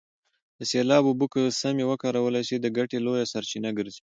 د سیلاب اوبه که سمې وکارول سي د ګټې لویه سرچینه ګرځي.